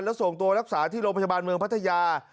แล้วส่งตัวรักษาที่โรงพยาบาลเมืองพัทยา